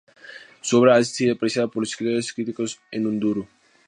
Su obra ha sido apreciada por los escritores y críticos en urdú.